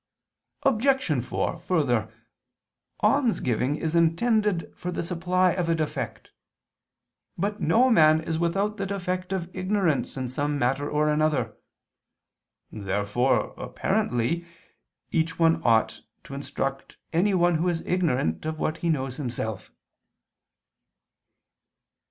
Obj. 4: Further, almsgiving is intended for the supply of a defect. But no man is without the defect of ignorance in some matter or other. Therefore, apparently, each one ought to instruct anyone who is ignorant of what he knows himself.